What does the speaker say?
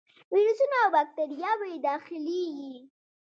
ویروسونه او باکتریاوې داخليږي.